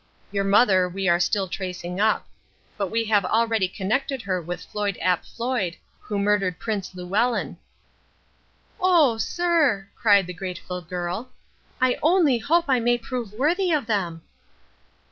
Your mother we are still tracing up. But we have already connected her with Floyd ap Floyd, who murdered Prince Llewellyn." "Oh, sir," cried the grateful girl. "I only hope I may prove worthy of them!"